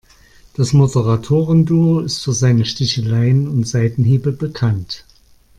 Das Moderatoren-Duo ist für seine Sticheleien und Seitenhiebe bekannt.